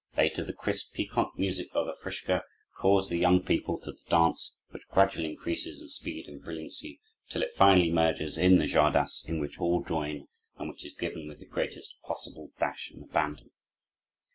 Later, the crisp, piquant music of the "frischka" calls the young people to the dance, which gradually increases in speed and brilliancy, till it finally merges in the "czardas," in which all join, and which is given with the greatest possible dash and abandon.